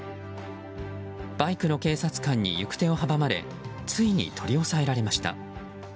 バイクの警察官に行く手を阻まれついに取り押さえられました。